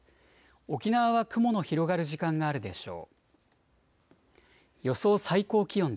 沖縄は雲の広がる時間があるでしょう。